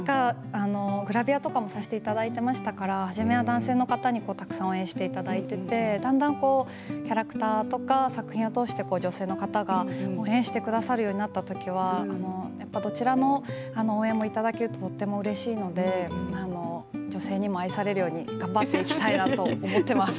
グラビアとかもさせていただいていましたから初めは男性の方にたくさん応援していただいてだんだんキャラクターとか作品を通して女性の方が応援してくださるようになったときはどちらの応援もいただけるととてもうれしいので女性にも愛されるように頑張っていきたいなと思っています。